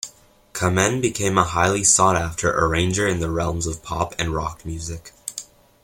Kamen became a highly sought-after arranger in the realms of pop and rock music.